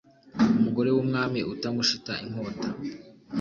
umugore wumwami utamushita inkota"